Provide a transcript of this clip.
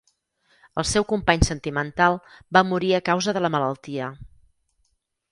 El seu company sentimental va morir a causa de la malaltia.